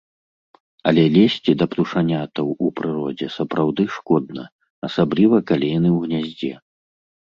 Але лезці да птушанятаў у прыродзе сапраўды шкодна, асабліва калі яны ў гняздзе.